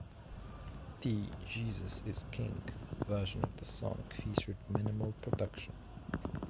The "Jesus Is King" version of the song featured minimal production.